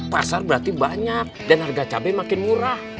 pasar berarti banyak dan harga cabai makin murah